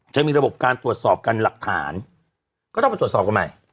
จะมีระบบการตรวจสอบกันหลักฐานก็ต้องไปตรวจสอบกันใหม่